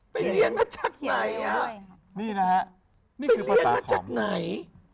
ไปเรียนมาจากไหนอะนี่นะฮะนี่คือภาษาขอมไปเรียนมาจากไหน